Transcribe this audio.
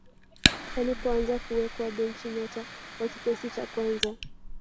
alipoanza kuwekwa benchi nyota wa kikosi cha kwanza